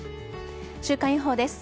週間予報です。